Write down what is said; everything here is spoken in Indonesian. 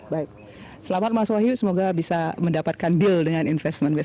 baik selamat mas wahyu semoga bisa mendapatkan deal dengan investment besok